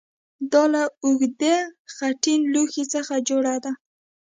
دا له اوږدې خټین لوښي څخه جوړه ده